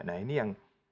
nah ini yang